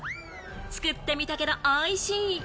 作ってみたけどおいしい！